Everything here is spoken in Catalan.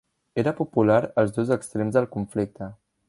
Era popular als dos extrems del conflicte.